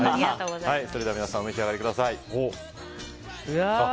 それでは皆さんお召し上がりください。